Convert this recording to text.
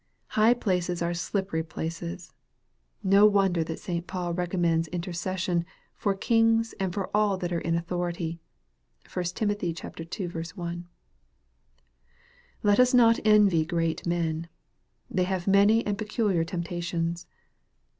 High places are slippery places. No wonder that St. Paul recommends interces sion " for kings and for all that are in authority." (1 Tim. ii. 1.) Let us not envy great men. They have many and peculiar temptations.